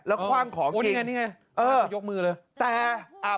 แล้วคว่างของจริงไงนี่ไงเออยกมือเลยแต่อ่า